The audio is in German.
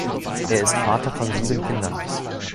Er ist Vater von sieben Kindern.